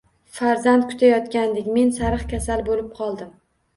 Farzand kutayotgandik, men sariq kasal bo`lib qoldim